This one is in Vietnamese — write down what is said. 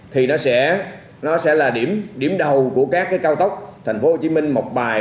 thì nó sẽ là điểm đầu của các cái cao tốc thành phố hồ chí minh một bài